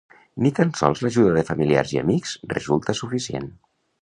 Ni tant sol l'ajuda de familiars i amics resulta suficient.